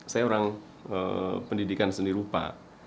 saya orang pendidikan seni rupa